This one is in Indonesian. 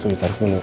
tunggu taruh dulu